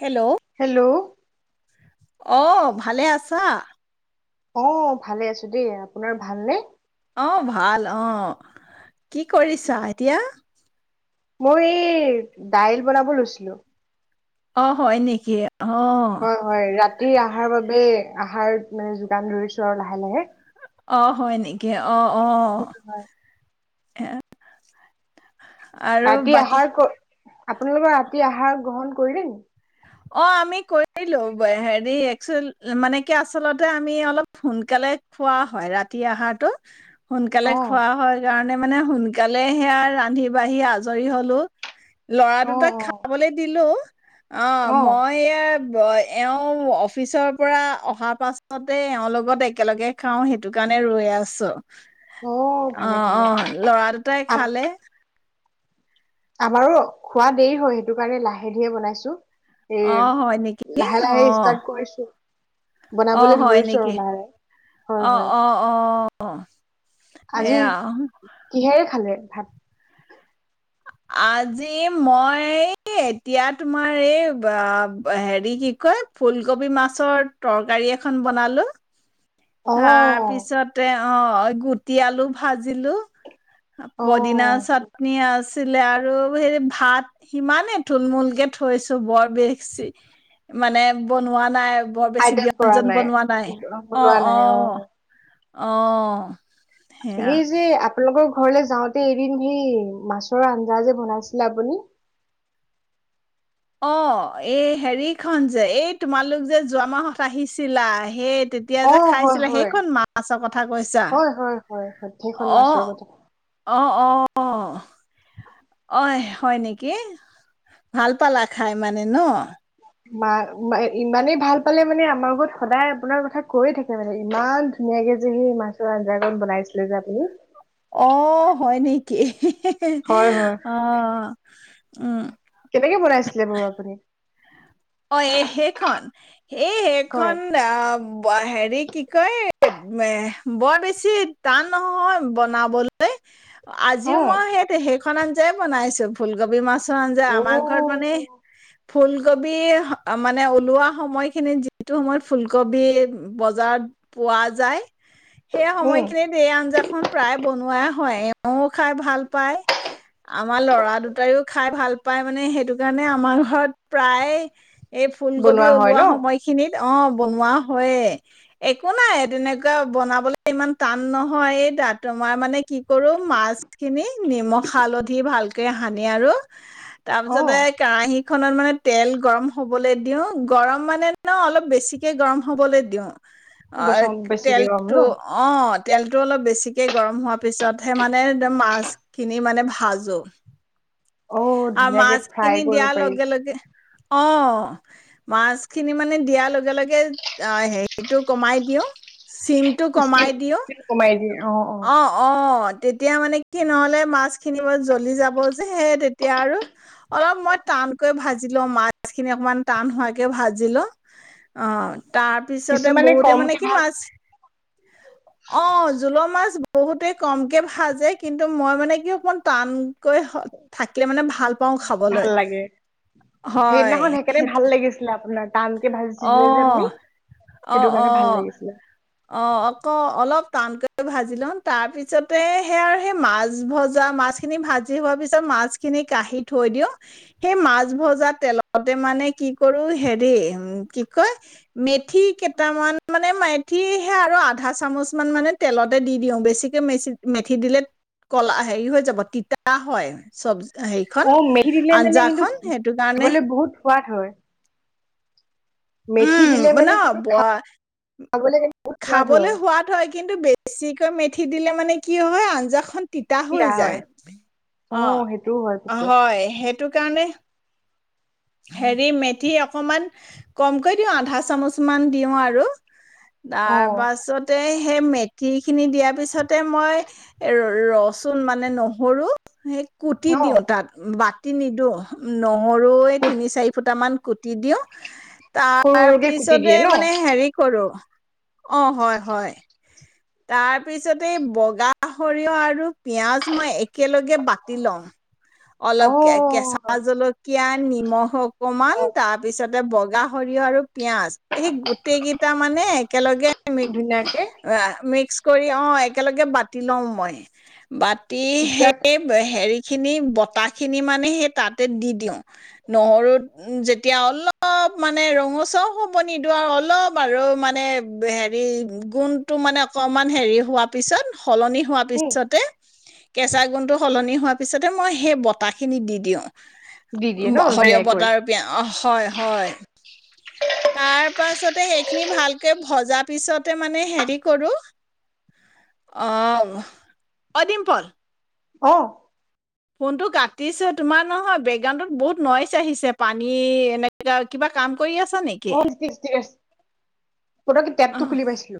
Hello hello অ ভালে আছা? অঁ ভালে আছো দেই আপোনাৰ ভালনে? আহ ভাল অ কি কৰিছা এতিয়া? মই এই দাইল বনাব লৈছিলো। অঁ হয় নেকি। অ হয় হয় ৰাতি। আহাৰৰ বাবে আহাৰ মানে যোগান ধৰিছো আৰু লাহে লাহে। অ হয় নেকি অ। স হয়। এয় আৰু ৰাতি বাকী। আহাৰ ক- আপোনালোকৰ ৰাতি আহাৰ গ্ৰহণ কৰিলে নি? অ আমি কৰিলো হেৰি একেল মানে কি আচলতে আমি অলপ সোনকালে খোৱা হয় ৰাতি আহাৰটো। সোনকালে অ খোৱা হয় কাৰণ মানে সোনকালে সেয়া ৰান্ধি বাঢ়ি আজৰি হলো। লৰা অ দুটাক অ খাবলৈ দিলো। অঁ অ মই ইয়াৰ এও অফিচৰ পৰা অহাৰ পাছতে এওঁৰ লগত একেলগে খাওঁ সেইটো কাৰণে ৰৈ আছোঁ। অ অ ভালে ভালে অ লৰা দুটাই আম খালে আমাৰো খোৱা দেৰি হয় সেইটো কাৰণে লাহে ধীৰে বনাইছো এ অঁ হয় নেকি লাহে অ লাহে ষ্টাৰ্ট কৰিছো আহ বনাবলৈ হয় ধৰিছো আৰু নেকি লাহে লাহে হয় হয় অঁ-অঁ-অঁ আজি এয়া কিহেৰে খালে ভাত আজি মই এতিয়া তোমাৰ এই হেৰি কি কয় ফুকবি মাছ টৰকাৰি এখন বনালো অ তাৰ পিছত অ গুটি আলু ভাজিলো পদিনা অ চাটনি আছে ছিলে আৰু হে ভাত সিমানেই থুলমূলকে থৈছো বৰ বেছি মানে বনোৱা নাই। বৰ বেছি আইডল কৰা ব্যঞ্জন বনোৱা নাই বনোৱা অ-অ নাই অ অ সেয়া সেই যে আপোনালোকৰ। ঘৰলে যাওঁতে এদিন সেই মাছৰ আঞ্জা যে বনাইছিলে আপুনি। অ এই হেৰিখন যে এই তোমালোক যে যোৱা মাহত আহিছিলা সেই তেতিয়া অ যে হয় খাইছিলে হয় সেইখন মাছৰ কথা কৈছা হয় হয় হয় হয় সেইখন মাছৰ কথা অ-অ-অ অ হয় নেকি ভাল ভাল পালা খাই মানে ন মা ইমানেই ভাল পালে মানে আমাৰ ঘৰত সদায় আপোনাৰ কথা কৈয়ে থাকে মানে ইমান ধুনীয়াকে যে সেই মাছৰ আঞ্জাকন বনাইছিলে যে আপুনি অ হয় নেকি হিহি হয় হয় অ উম কেনেকে বনাইছিলে বাৰু আপুনি অ এই সেইখন এ হয় সেইখন অ হেৰি কি কয় এ বৰ বেছি টান নহয় বনাবলৈ অ আজিও মই সেইখন সেখন আঞ্জায়ে বনাইছো ফুলকবি মাছ আঞ্জা আমাৰ অ ঘৰত মানে ফুলকবি কবি মানে ওলোৱা সময়খিনিত যিটো সময়ত ফুলকবি বজাৰত পোৱা যায় সেই উম সময়খিনিত এই আঞ্জাখন প্ৰায় বনোৱাই হয় এওঁ খাই ভাল পায় আমাৰ লৰা দুটাইও খাই ভাল পায় মানে সেইটো কাৰণে আমাৰ ঘৰত প্ৰায় এ এই ফুলকবি বনোৱা হয় ন ওলোৱা সময়খিনিত অ বনোৱা হয়ে একো নাই তেনেকুৱা বনাবলে ইমান টান নহয় এই দা তোমাৰ মানে কি কৰো মাছখিনি নিমখ হালধি ভালকে সানি আৰু অ তাৰপিছতে কেৰাহী খনত মানে তেল গৰম হ'বলৈ দিওঁ গৰম মানে ন অলপ বেছিকৈ গৰম হ'বলৈ দিওঁ অ বচ বেছিকে কম তেলটো ন অ তেলটো অলপ বেছি গৰম হোৱাৰ পিছতহে মানে একদম মাছ খিনি মানে ভাজো অ আৰু ধুনীয়াকে মাছ ফ্ৰাই খিনি কৰিব দিয়াৰ পাৰি লগে লগে অ মাছখিনি মানে দিয়াৰ লগে লগে হেৰিটো কমাই দিওঁ চিমটো স্কিন কমাই দিও স্কিন কমাই দিয়ে অ অ তেতিয়া মানে কি নহ'লে মাছখিনি ব জ্বলি যাব যে সেই এতিয়া আৰু অলপ মই টানকৈ ভাজি লওঁ মাছখিনি অকণমান টান হোৱাকৈ ভাজি লওঁ অ তাৰ পিছতে কিছুমানে বহুতে মানে কমকে কি ভাল মাছ অ জোলৰ মাছ বহুতে কমকে ভাজে কিন্তু মই মানে কি অকমান টান হৈ থাক ভাল লাগে, হয়, সেইদিনাখন সেইকাৰণে সেইটো ভাল লাগিছিলে আপোনাক। টানকে ভাজিছিলে যে আপুনি, অ', সেইটো অ', কাৰণে ভাল অ', লাগিছিলে। অ' অক অলপ টানকৈ ভাজি লওঁ তাৰপিছতে সে আৰু সেই মাছ ভজা মাছখিনি ভাজি হোৱা পিছত মাছখিনি কাঢ়ি থৈ দিওঁ। সেই মাছ ভজা তেলতে মানে কি কৰো হেৰি কি কয় মেথি কেইটামান মানে মা মেথিহে আৰু আধা চামুচমান মানে তেলতে দি দিওঁ, বেছিকৈ মেচি মেথি দিলে কলা হেৰি হৈ যাব তিতা হয় চবজি। অ' মেথি দিলে মানে কিন্তু সেইটো কাৰণে খাবলৈ বহুত সোৱাদ হয়। মেথি দিলে মানে [unintelligible] কিন্তু বহুত সোৱাদ খাবলৈ হয় সোৱাদ হয় কিন্তু বেছিক মেথি দিলে মানে কি হয় আঞ্জাখন তিতা হৈ পিয়া হয় যায়। অ' সেইটোও হয় পিছে হয় হে সেইটো কাৰণে হেৰি মেথি অকমান কমকৈ দিওঁ আধা চামুচ মান দিওঁ আৰু অ তাৰ পাছতে সেই মেথিখিনি দিয়াৰ পিছত তাতে মই এ ৰচোন মানে নহৰু সেই কুটি ন দিওঁ তাত বা কুতি নিদো নহৰুই তিনি-চাৰি ফুটামান কুটি দিওঁ। সৰু তাৰ সৰুকে কুটি পিছতে দিয়ে ন মানে হেৰি কৰোঁ অ' হয়-হয়। তাৰপিছতেই বগা সৰিয়হ আৰু পিয়াজ মই একেলগে বাতি লও। অ অলপ কে কেঁচা জলকীয়া নি নিমখ অকমান তাৰপিছতে ব গাহৰি আৰু পিয়াজ এই গোটেই কেইটা মানে একেলগে মি ধুনীয়াকে এ মিক্স কৰি অ' একেলগে বাতি লও মই, বাতি তেতিয়া সে হেৰি খিনি বতা খিনি মানে হে তাতে দি দিওঁ নহৰুত যেতিয়া অলপ মানে ৰঙচুৱাও হ'ব নিদিওঁ আৰু অলপ আৰু মানে হেৰি গোন্ধটো মানে অকণমান হেৰি হোৱাৰ পিছত সলনি হোৱাৰ উম পিছতে কেঁচা গুন্ধটো সলনি হোৱাৰ পিছতে মই সেই বতা খিনি দি দিওঁ। দি দিয়ে ন সৰিয়হ ধুনীয়াকৈ বতা বেয়া হয়-হয়। তাৰ পাছত সেইখিনি ভালকে ভজাৰ পিছতে মানে হেৰি কৰো অ', অ' ডিম্পল অ' ফোনটো কাটিছো তোমাৰ নহয় বেকগ্ৰাউণ্ডত বহুত নইচ আহিছে পানী এনেকা কিবা কাম কৰি আছা নেকি? অ থিক আছে পতোককে টেপটো অ'। খুলি পাইছিলো